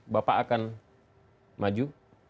bapak akan maju